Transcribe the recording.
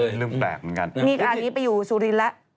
เรื่องแปลกเหมือนกันนี่อันนี้ไปอยู่สุรินทร์แล้ว